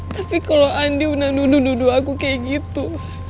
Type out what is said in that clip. tapi kalau andi unang duduk duduk aku kayak gitu